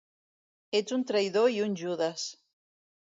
Ets un traïdor i un judes.